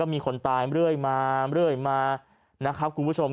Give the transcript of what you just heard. มีคนตายเรื่อยมาเรื่อยมานะครับคุณผู้ชม